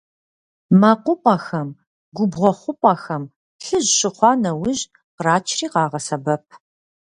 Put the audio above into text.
Мэкъупӏэхэм, губгъуэ хъупӏэхэм плъыжь щыхъуа нэужь кърачри къагъэсэбэп.